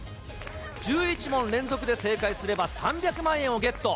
１１問連続で正解すれば３００万円をゲット。